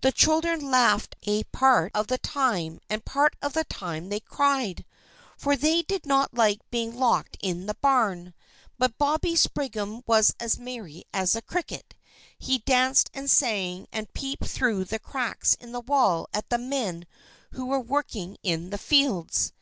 The children laughed a part of the time, and a part of the time they cried, for they did not like to be locked in the barn. But Bobby Spriggan was as merry as a cricket. He danced and sang, and peeped through the cracks in the wall at the men who were working in the fields.